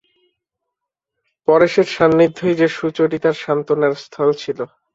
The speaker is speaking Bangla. পরেশের সান্নিধ্যই যে সুচরিতার সান্ত্বনার স্থল ছিল।